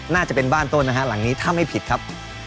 น่าจะเป็นบ้านต้นนะฮะหลังนี้ถ้าไม่ผิดครับ